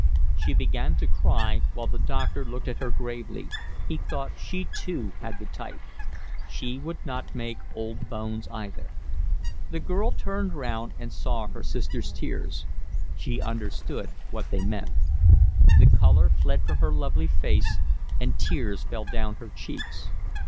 She began to cry, while the doctor looked at her gravely; he thought she too had the type; she would not make old bones either. The girl turned round and saw her sister's tears. She understood what they meant. The colour fled from her lovely face and tears fell down her cheeks.